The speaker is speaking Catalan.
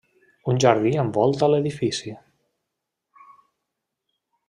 Un jardí envolta l'edifici.